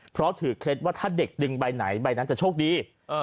เพราะถือเคล็ดว่าถ้าเด็กดึงใบไหนใบนั้นจะโชคดี